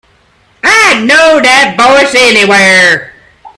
I'd know that voice anywhere.